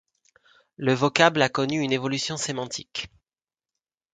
Le vocable a connu une évolution sémantique.